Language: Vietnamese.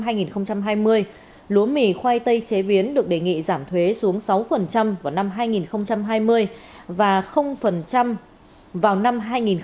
lúa năm hai nghìn hai mươi lúa mì khoai tây chế biến được đề nghị giảm thuế xuống sáu vào năm hai nghìn hai mươi và vào năm hai nghìn hai mươi một